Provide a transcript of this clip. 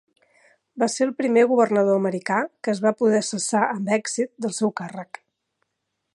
Va ser el primer governador americà que es va poder cessar amb èxit del seu càrrec.